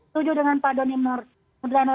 setuju dengan pak doni nugriano